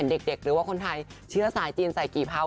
ที่เห็นเด็กหรือว่าคนไทยเชื่อสายจีนใส่หกินเผา